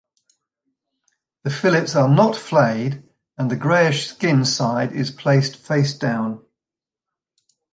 The fillets are not flayed, and the grayish skin side is placed faced down.